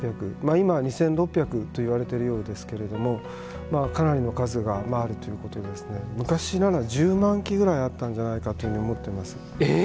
今は２６００といわれているようですけれどもかなりの数があるということで昔ながら１０万基ぐらいあったんじゃないかと思っています。